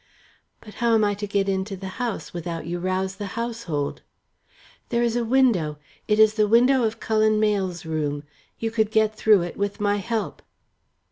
"But how am I to get into the house, without you rouse the household?" "There is a window. It is the window of Cullen Mayle's room. You could get through it with my help."